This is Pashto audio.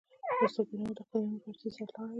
استاد بینوا د قلمي مبارزې سرلاری و.